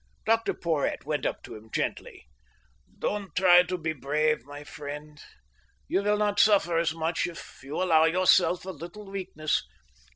Dr Porhoët went up to him gently. "Don't try to be brave, my friend. You will not suffer as much if you allow yourself a little weakness."